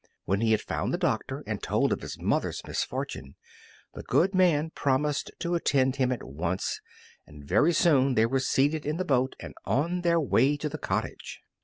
When he had found the doctor and told of his mother's misfortune, the good man promised to attend him at once, and very soon they were seated in the boat and on their way to the cottage.